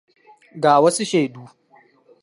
Ga wasu shaidu.